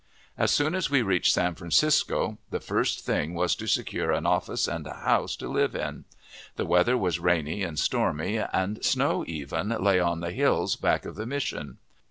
As soon as we reached San Francisco, the first thing was to secure an office and a house to live in. The weather was rainy and stormy, and snow even lay on the hills back of the Mission.